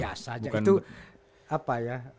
biasa saja itu apa ya